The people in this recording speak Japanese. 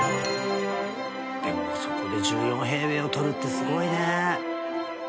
そこで１４平米を取るってすごいね。